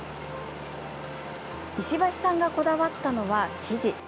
石橋さんがこだわったのは生地。